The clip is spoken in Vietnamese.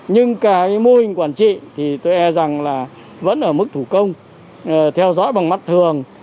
nhưng cái mô hình quản trị thì tôi e rằng là vẫn ở mức thủ công theo dõi bằng mắt thường